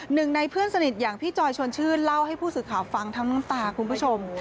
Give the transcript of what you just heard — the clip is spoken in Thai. หนึ่งในเพื่อนสนิทอย่างพี่จอยชวนชื่นเล่าให้ผู้สื่อข่าวฟังทั้งน้ำตาคุณผู้ชม